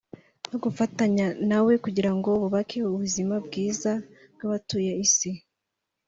no gufatanya nawe kugira ngo bubake ubuzima bwiza bw’abatuye isi